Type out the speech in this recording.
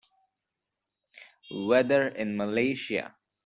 Weather in Malaysia